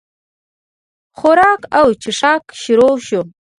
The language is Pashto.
خوراک او چښاک شروع شو.